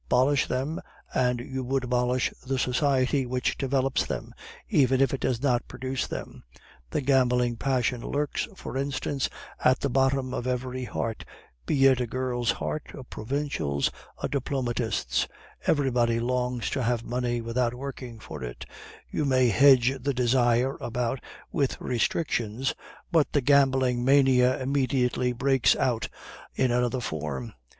Abolish them, you would abolish the society which develops them, even if it does not produce them. The gambling passion lurks, for instance, at the bottom of every heart, be it a girl's heart, a provincial's, a diplomatist's; everybody longs to have money without working for it; you may hedge the desire about with restrictions, but the gambling mania immediately breaks out in another form.